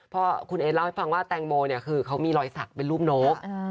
เพราะคุณเอสเล่าให้ฟังว่าแตงโมเนี่ยคือเขามีรอยสักเป็นรูปนก